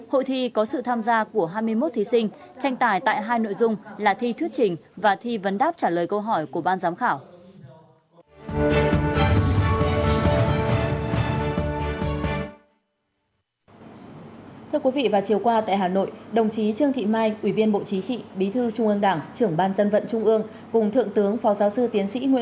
hội thi có sự tham gia của hai mươi một thí sinh tranh tài tại hai nội dung là thi thuyết trình và thi vấn đáp trả lời câu hỏi của ban giám khảo